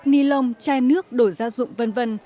ni lông chai nước đổ ra dụng v v